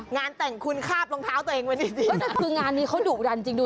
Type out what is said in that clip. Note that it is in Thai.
งานแต่งคุณฆาบรองเท้าตัวเองไปจริงนะ